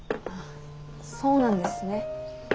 そうなんですね。